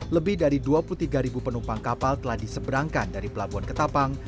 lebih dari dua puluh tiga penumpang kapal telah diseberangkan dari pelabuhan ketapang